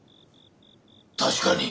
確かに。